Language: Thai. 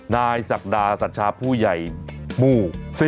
ศักดาสัชชาผู้ใหญ่หมู่๔